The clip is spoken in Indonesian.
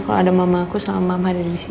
kalo ada mamaku sama mama dari sini